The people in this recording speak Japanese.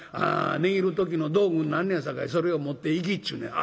値切る時の道具になんのやさかいそれを持っていきっちゅうねん」。